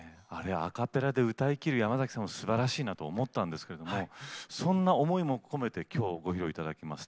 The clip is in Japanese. アカペラで歌いきる山崎さんもすばらしいなと思ったんですけどもそんな思いも込めて今日ご披露いただきます